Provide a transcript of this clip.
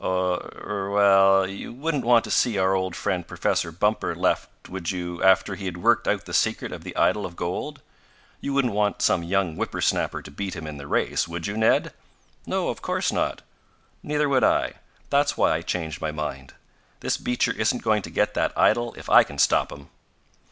"Oh er well, you wouldn't want to see our old friend Professor Bumper left, would you, after he had worked out the secret of the idol of gold? You wouldn't want some young whipper snapper to beat him in the race, would you, Ned?" "No, of course not." "Neither would I. That's why I changed my mind. This Beecher isn't going to get that idol if I can stop him!"